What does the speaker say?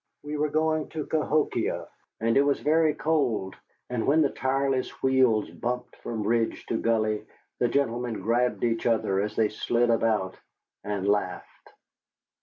We were going to Cahokia, and it was very cold, and when the tireless wheels bumped from ridge to gully, the gentlemen grabbed each other as they slid about, and laughed.